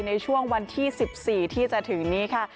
ในช่วงวันที่๑๔ที่จะถึงนี้ค่ะ